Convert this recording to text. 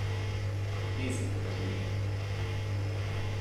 Nézzétek az ujjaim.